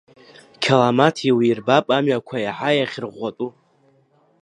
Қьаламаҭ иуирбап амҩақәа еиҳа иахьырӷәӷәатәу.